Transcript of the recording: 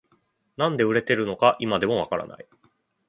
なんで売れてるのか今でもわからない